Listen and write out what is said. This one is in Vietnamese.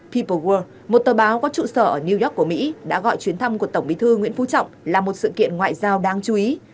pipow một tờ báo có trụ sở ở new york của mỹ đã gọi chuyến thăm của tổng bí thư nguyễn phú trọng là một sự kiện ngoại giao đáng chú ý